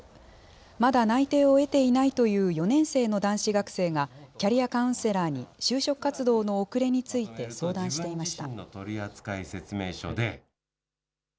まだ内定を得ていないという４年生の男子学生が、キャリアカウンセラーに就職活動の遅れについて相談していました。